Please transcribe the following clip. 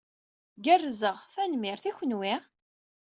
Gerrzeɣ, tanemmirt. I kenwi?